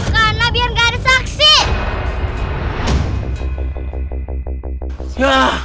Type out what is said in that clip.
karena biar gak ada saksi